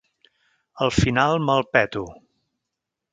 Al final me'l peto.